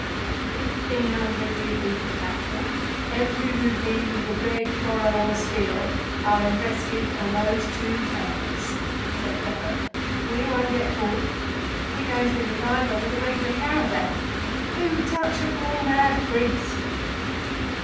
"Fifteen hundred rupees of capital—every rupee we could beg, borrow, or steal—are invested on these two camels," said Dravot. "We won't get caught. We're going through the Khaiber with a regular caravan. Who'd touch a poor mad priest?"